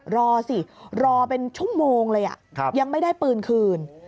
รอสิรอเป็นชั่วโมงเลยยังไม่ได้ปืนคืน